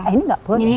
ini gak boleh